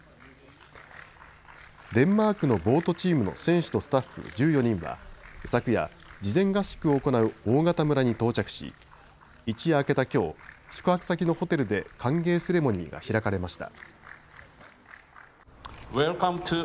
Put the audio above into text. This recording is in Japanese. デンマークのボートチームの選手とスタッフ１４人は昨夜、事前合宿を行う大潟村に到着し一夜明けたきょう宿泊先のホテルで歓迎セレモニーが開かれました。